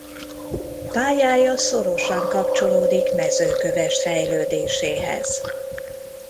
Pályája szorosan kapcsolódik Mezőkövesd fejlődéséhez.